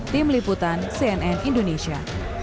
tim liputan cnn indonesia